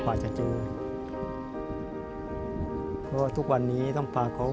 กล้าใช้จ่ายเดือนทางในการดูแลคนป่วยนะครับ